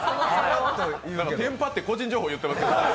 テンパって個人情報言っていますが。